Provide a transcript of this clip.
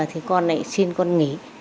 thì con lại xin con nghỉ